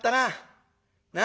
なあ。